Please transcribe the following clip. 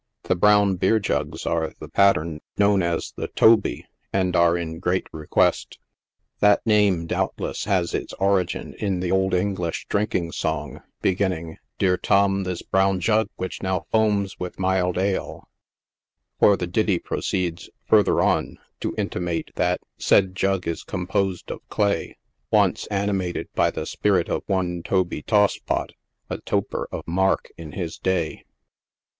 The brown beer jugs are of the pat tern known as the " Toby," and are in great request. That name, doubtless, has its origin in the old English drinking song, beginning " Dear Tom, this brown jug which now foams with mild ale ;" for the ditty proceeds, further on, to intimate that said jug is composed of clay, once animated by the spirit of one Toby Tosspot, a toper of mark in his day.